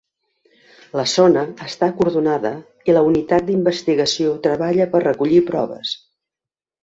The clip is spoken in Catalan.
La zona està acordonada i la unitat d’investigació treballa per recollir proves.